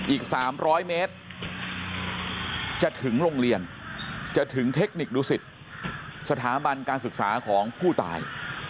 อีก๓๐๐เมตรจะถึงโรงเรียนจะถึงเทคนิคดูสิตสถาบันการศึกษาของผู้ตาย